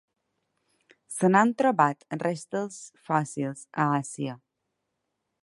Se n'han trobat restes fòssils a Àsia.